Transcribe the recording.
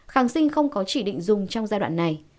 kháng sinh không có chỉ định dùng trong giai đoạn này